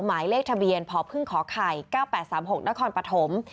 หมายเลขทะเบียนพพไข่๙๘๓๖นครปฐม